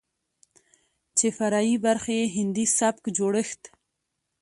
چې فرعي برخې يې هندي سبک جوړښت،